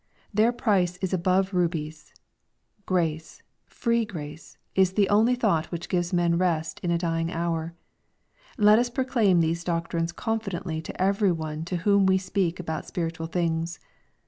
Their price is above rubies Grace, free grace, is the only thought which gives men rest in a dying hour. — Let us proclaim these doctrines confidently to every one to whom we speak about spirit ual things.